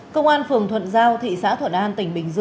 công an phường thuận giao thị xã thuận an tỉnh bình dương